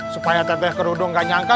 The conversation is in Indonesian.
supaya teteh kerudung gak nyangka